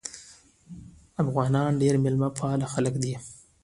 افغانان ډېر میلمه پال خلک دي.